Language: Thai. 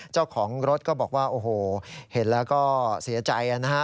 เจ้าของรถก็บอกว่าโอ้โหเห็นแล้วก็เสียใจนะฮะ